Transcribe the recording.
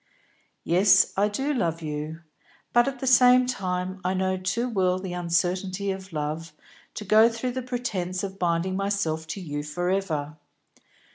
"Yes, I do love you; but at the same time I know too well the uncertainty of love to go through the pretence of binding myself to you for ever.